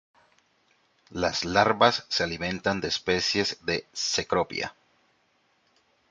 Las larvas se alimentan de especies de "Cecropia".